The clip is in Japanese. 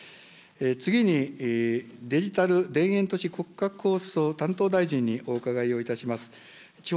次に、デジタル田園都市国家構想担当大臣にお伺いをいたします。